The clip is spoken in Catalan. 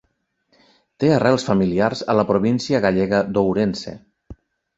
Té arrels familiars a la província gallega d'Ourense.